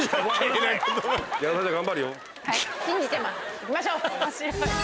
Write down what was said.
行きましょう。